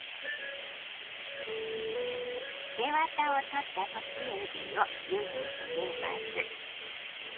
背ワタを取ったむきえびを湯に入れます。